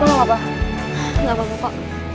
yaudah yuk puternya